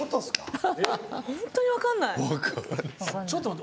本当に分かんない。